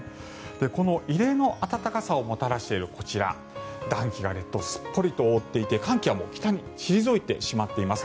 この異例の暖かさをもたらしているこちら、暖気が列島をすっぽりと覆っていて寒気は北に退いてしまっています。